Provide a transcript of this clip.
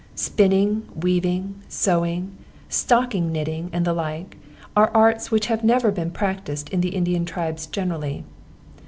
Spinning, weaving, sewing, stocking knitting, and the like, are arts which have never been practised in the Indian tribes generally.